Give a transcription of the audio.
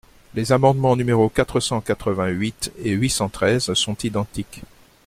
Les amendements numéros quatre cent quatre-vingt-huit et huit cent treize sont identiques.